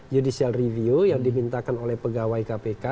judicial review yang dimintakan oleh pegawai kpk